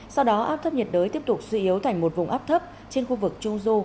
sau đó áp thấp nhiệt đới tiếp tục suy yếu thành một vùng áp thấp trên khu vực trung du